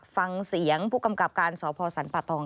ฟังเสียงผู้กำกับการสพสรรปะตอง